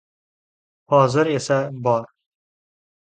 Hozir esa bor!